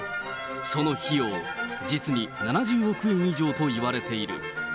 その費用、実に７０億円以上といわれている。